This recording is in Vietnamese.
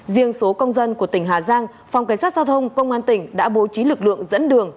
riêng số công dân của tỉnh hà giang phòng cảnh sát giao thông công an tỉnh đã bố trí lực lượng dẫn đường